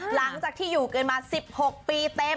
หลังจากที่อยู่กันมา๑๖ปีเต็ม